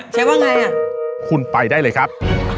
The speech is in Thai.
เชฟว่าไงณคุณไปได้เลยครับ